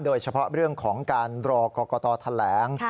โดยเฉพาะเรื่องของการรอกรกตแถลง